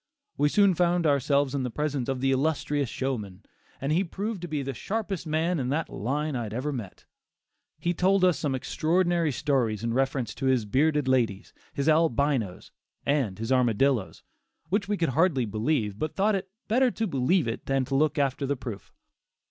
We soon found ourselves in the presence of the illustrious showman, and he proved to be the sharpest man in that line I had ever met. He told us some extraordinary stories in reference to his bearded ladies, his Albinos, and his Armadillos, which we could hardly believe, but thought it "better to believe it than look after the proof."